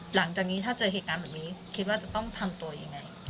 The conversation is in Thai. หลังจากนี้ถ้าเจอเหตุการณ์แบบนี้คิดว่าจะต้องทำตัวยังไง